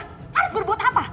harus berbuat apa